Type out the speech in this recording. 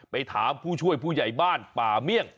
ไปถามผู้ช่วยผู้ใหญ่บ้านป่าเมี่ยง